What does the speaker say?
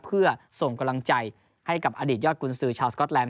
เพื่อส่งกำลังใจให้กับอดีตยอดกุญสือชาวสก๊อตแลน